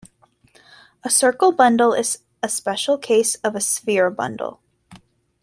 A circle bundle is a special case of a sphere bundle.